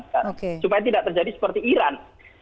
supaya tidak terjadi seperti iran